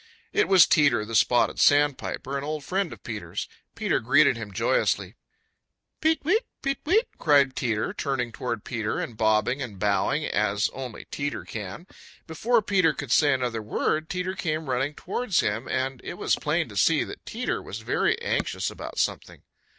It was Teeter the Spotted Sandpiper, an old friend of Peter's. Peter greeted him joyously. "Peet weet! Peet weet!" cried Teeter, turning towards Peter and bobbing and bowing as only Teeter can. Before Peter could say another word Teeter came running towards him, and it was plain to see that Teeter was very anxious about something.